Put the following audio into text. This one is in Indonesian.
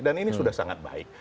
dan ini sudah sangat baik